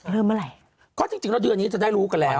เมื่อไหร่ก็จริงแล้วเดือนนี้จะได้รู้กันแล้ว